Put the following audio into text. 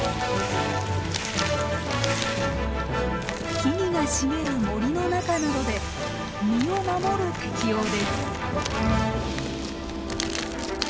木々が茂る森の中などで身を守る適応です。